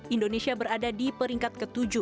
indonesia berada di peringkat ke tujuh